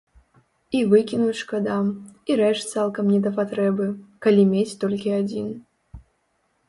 І выкінуць шкада, і рэч цалкам не да патрэбы, калі мець толькі адзін.